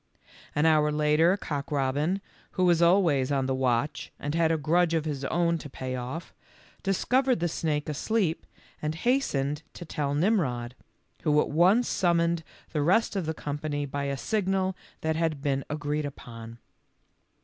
An hour later Cock robin, who was always on the watch and had a grudge of his own to pay off*, discovered the snake asleep and has tened to tell Mmrod, who at once summoned the rest of the company by a signal that had been agreed upon.